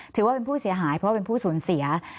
ถือว่าเป็นผู้เสียหายเพราะว่าเป็นผู้สูญเสีย